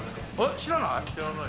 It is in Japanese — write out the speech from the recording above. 知らない？